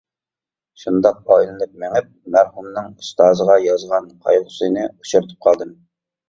شۇنداق ئايلىنىپ مېڭىپ، مەرھۇمنىڭ ئۇستازىغا يازغان قايغۇسىنى ئۇچرىتىپ قالدىم.